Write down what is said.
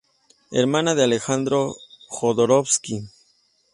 Hermana de Alejandro Jodorowsky.